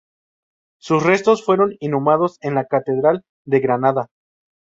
Sus restos fueron inhumados en la Catedral de Granada.